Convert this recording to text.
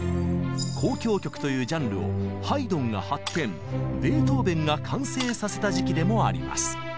「交響曲」というジャンルをハイドンが発展ベートーベンが完成させた時期でもあります。